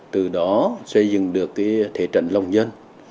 từ đó xây dựng được thể trận lòng dân